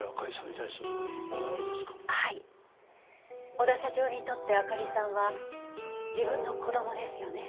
小田社長にとってあかりさんは自分の子どもですよね。